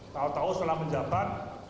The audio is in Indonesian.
tahu tahu setelah menjabat